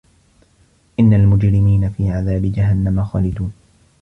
إِنَّ المُجرِمينَ في عَذابِ جَهَنَّمَ خالِدونَ